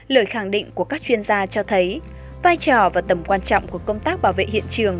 lời khẳng định của các chuyên gia cho thấy vai trò và tầm quan trọng của công tác bảo vệ hiện trường